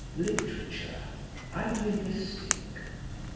LITERATURE IDEALISTIC.